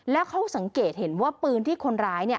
แล้วเขาสังเกตเห็นว่าปืนที่คนร้ายเนี่ย